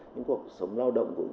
những cuộc sống lao động của mình